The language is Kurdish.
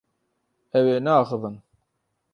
Ew ê neaxivin.